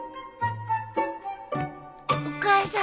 お母さん。